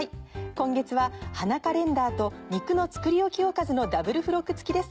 今月は花カレンダーと肉の作りおきおかずのダブル付録付きです。